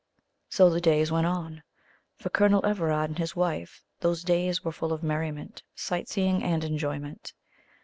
So the days went on; for Colonel Everard and his wife, those days were full of merriment, sight seeing, and enjoyment.